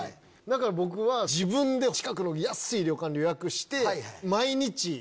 だから僕は自分で近くの安い旅館予約して。